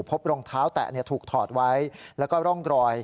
พบรองเท้าแตะถูกถอดไว้แล้วก็ร่องรอย